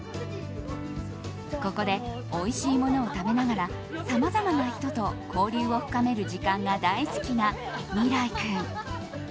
ここでおいしいものを食べながらさまざまな人と交流を深める時間が大好きな美良生君。